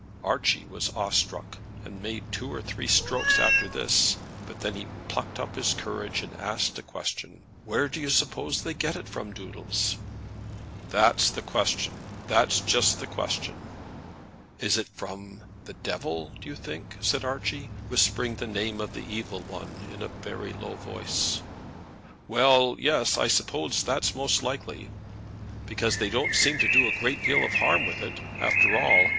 Archie was awe struck, and made two or three strokes after this; but then he plucked up his courage and asked a question, "Where do you suppose they get it from, Doodles?" "That's just the question." "Is it from the devil, do you think?" said Archie, whispering the name of the Evil One in a very low voice. "Well, yes; I suppose that's most likely." "Because they don't seem to do a great deal of harm with it after all.